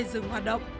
dừng hoạt động